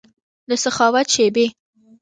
دسخاوت شیبې